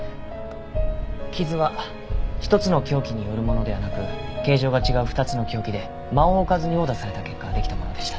傷は１つの凶器によるものではなく形状が違う２つの凶器で間を置かずに殴打された結果できたものでした。